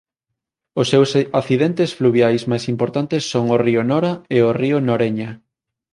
Os seus accidentes fluviais máis importantes son o río Nora e o río Noreña.